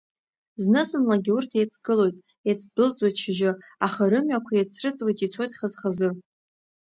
Зны-зынлагьы урҭ еицгылоит, еицдәылҵуеит шьыжьы, аха рымҩақәа еицрыҵуеит, ицоит хаз-хазы.